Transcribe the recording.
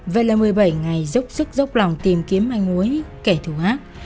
vậy là một mươi bảy ngày dốc sức dốc lòng tìm kiếm anh uối kẻ thù hát